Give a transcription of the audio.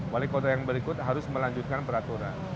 wali kota yang berikut harus melanjutkan peraturan